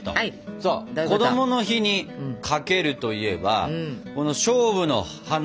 そうこどもの日に「かける」といえばこの「菖蒲」の花。